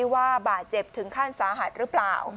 ว่าบาดเจ็บถึงขั้นสาหัสหรือเปล่า